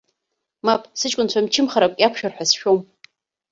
Мап, сыҷкәынцәа мчымхарак иақәшәар ҳәа сшәом.